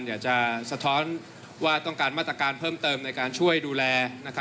อยากจะสะท้อนว่าต้องการมาตรการเพิ่มเติมในการช่วยดูแล